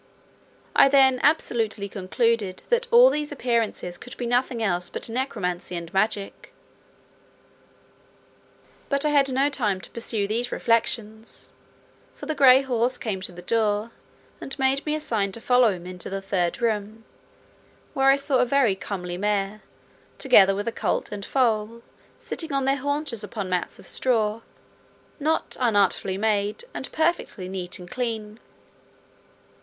I then absolutely concluded, that all these appearances could be nothing else but necromancy and magic. But I had no time to pursue these reflections; for the gray horse came to the door, and made me a sign to follow him into the third room where I saw a very comely mare, together with a colt and foal, sitting on their haunches upon mats of straw, not unartfully made, and perfectly neat and clean.